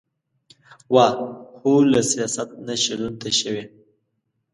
واه ! هو له سياست نه شعرونو ته شوې ،